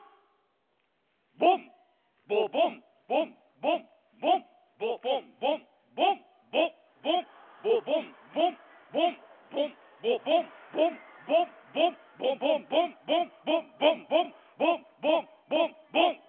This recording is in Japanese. ボンボボンボンボンボンボボンボンボンボボンボボンボンボンボンボボンボンボンボンボボボンボンボンボンボンボンボンボンボン。